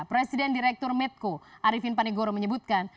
presiden direktur medco arifin panegoro menyebutkan